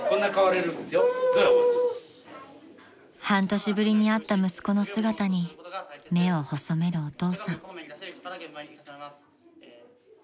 ［半年ぶりに会った息子の姿に目を細めるお父さん］